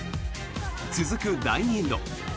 続く第２エンド。